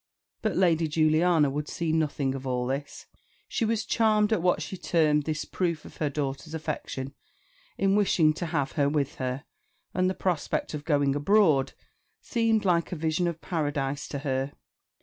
But Lady Juliana would see nothing of all this. She was charmed at what she termed this proof of her daughter's affection, in wishing to have her with her; and the prospect of going abroad seemed like a vision of paradise to her.